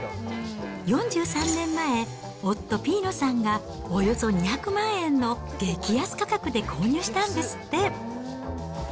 ４３年前、夫、ピーノさんがおよそ２００万円の激安価格で購入したんですって。